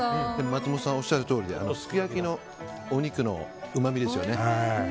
松本さんおっしゃるとおりですき焼きのお肉のうまみですよね。